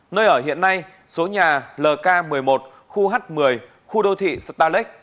nơi ở hiện nay số nhà lk một mươi một khu h một mươi khu đô thị starlek